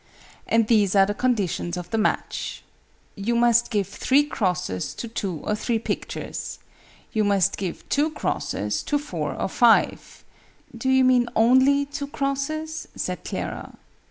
And these are the conditions of the match. You must give three crosses to two or three pictures. You must give two crosses to four or five " "Do you mean only two crosses?" said Clara.